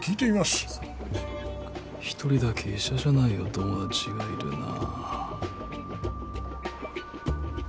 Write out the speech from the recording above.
１人だけ医者じゃないお友達がいるな。